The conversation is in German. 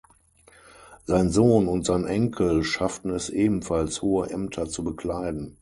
Sein Sohn und sein Enkel schafften es ebenfalls, hohe Ämter zu bekleiden.